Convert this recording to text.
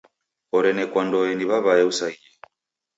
Orenekwandoe ni w'aw'ae usaghie.